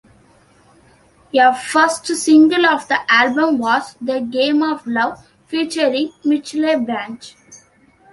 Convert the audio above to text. The first single of the album was "The Game of Love", featuring Michelle Branch.